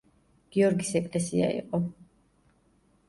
გიორგის ეკლესია იყო.